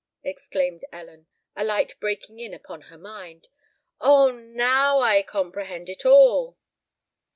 exclaimed Ellen, a light breaking in upon her mind: "Oh now I comprehend it all!"